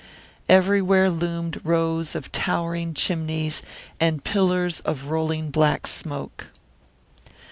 Everywhere loomed rows of towering chimneys, and pillars of rolling black smoke.